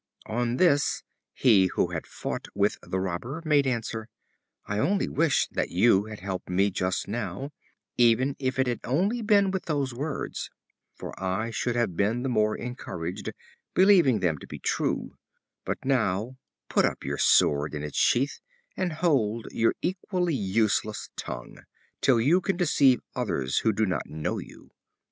On this, he who had fought with the Robber made answer: "I only wish that you had helped me just now, even if it had been only with those words, for I should have been the more encouraged, believing them to be true; but now put up your sword in its sheath and hold your equally useless tongue, till you can deceive others who do not know you.